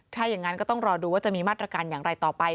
ถ้าอย่างนั้นก็ต้องรอดูว่าจะมีมาตรการอย่างไรต่อไป